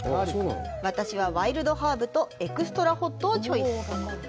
私は、ワイルドハーブとエクストラホットをチョイス！